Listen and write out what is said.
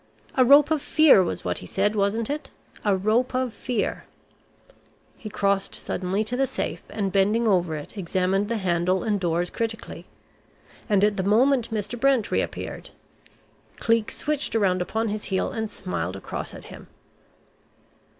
"'A rope of fear' was what he said, wasn't it? 'A rope of fear.'" He crossed suddenly to the safe, and bending over it, examined the handle and doors critically. And at the moment Mr. Brent reappeared. Cleek switched round upon his heel, and smiled across at him.